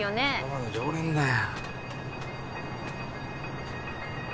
ただの常連だよ